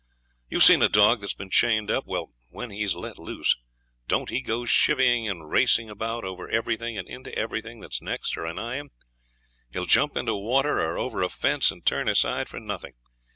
You've seen a dog that's been chained up. Well, when he's let loose, don't he go chevying and racing about over everything and into everything that's next or anigh him? He'll jump into water or over a fence, and turn aside for nothing.